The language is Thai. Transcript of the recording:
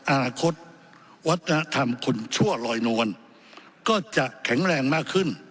อนาคตวัฒนธรรมคุณชั่วลอยนวลก็จะแข็งแรงมากขึ้น